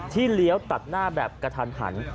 เลี้ยวตัดหน้าแบบกระทันหัน